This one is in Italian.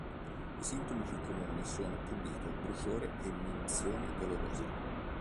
I sintomi più comuni sono prurito, bruciore e minzione dolorosa.